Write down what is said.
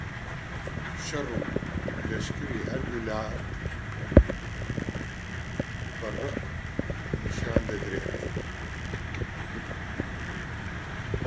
شەڕ و لەشکری هەردووک لا بە بەرق نیشان دەدرێن